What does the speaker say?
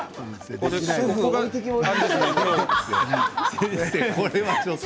先生、これはちょっと。